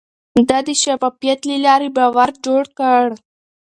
ده د شفافيت له لارې باور جوړ کړ.